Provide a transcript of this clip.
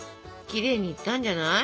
きれいにいったんじゃない？